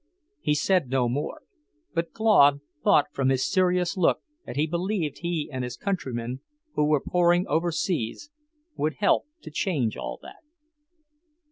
He said no more, but Claude thought from his serious look that he believed he and his countrymen who were pouring overseas would help to change all that.